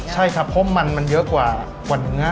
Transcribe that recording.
ใช่ครับเพราะมันเยอะกว่าเนื้อ